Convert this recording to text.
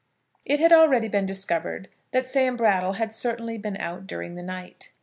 It had already been discovered that Sam Brattle had certainly been out during the night.